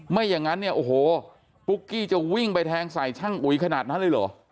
ไม่อย่างนั้นเนี่ยโอ้โหปุ๊กกี้จะวิ่งไปแทงใส่ช่างอุ๋ยขนาดนั้นเลยเหรอ